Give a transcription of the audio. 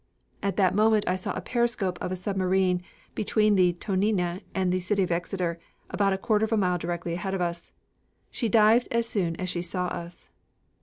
"At that moment I saw a periscope of a submarine between the Tonina and the City of Exeter, about a quarter of a mile directly ahead of us. She dived as soon as she saw us.